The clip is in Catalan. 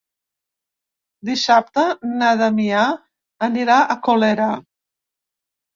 Dissabte na Damià anirà a Colera.